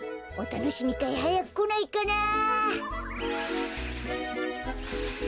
おたのしみかいはやくこないかな。